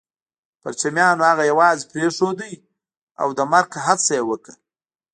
پرچمیانو هغه يوازې پرېښود او د مرګ هڅه يې وکړه